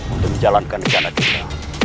untuk menjalankan rencana kita